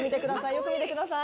よく見てください。